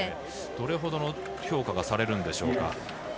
どれほどの評価がされるでしょうか。